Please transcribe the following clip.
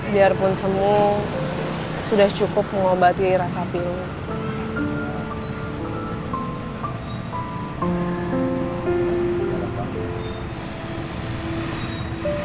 biarpun semu sudah cukup mengobati rasa pilih